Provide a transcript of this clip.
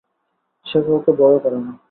সে কাউকে ভয়ও করে না।